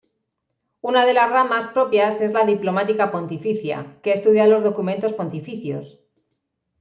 Una de las ramas propias es la diplomática pontificia, que estudia los documentos pontificios.